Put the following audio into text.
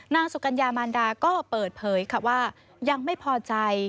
นางสุกัญญามารดาก็เปิดเผยค่ะว่ายังไม่พอใจ